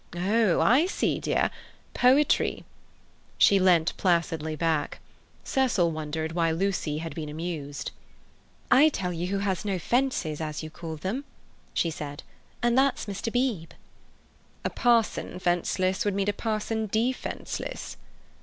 "Oh, I see, dear—poetry." She leant placidly back. Cecil wondered why Lucy had been amused. "I tell you who has no 'fences,' as you call them," she said, "and that's Mr. Beebe." "A parson fenceless would mean a parson defenceless."